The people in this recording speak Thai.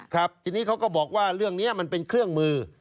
ครับทีนี้เขาก็บอกว่าเรื่องนี้มันเป็นเครื่องมือ